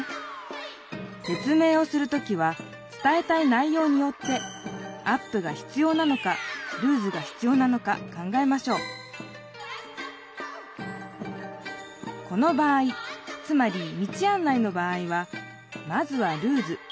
説明をする時は伝えたい内ようによってアップがひつようなのかルーズがひつようなのか考えましょうこの場合つまり道あん内の場合はまずはルーズ。